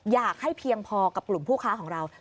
อยากให้เพียงพอกับกลุ่มผู้ค้าของเรา